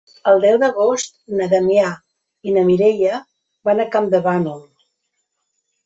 El deu d'agost na Damià i na Mireia van a Campdevànol.